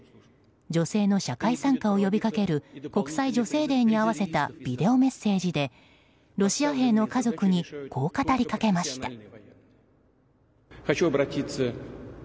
女性の社会参加を呼びかける国際女性デーに合わせたビデオメッセージでロシア兵の家族にこう語りかけました。